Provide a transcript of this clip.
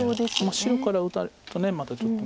白から打たれるとまたちょっと。